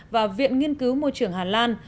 và viện nghiên cứu môi trường hàn lan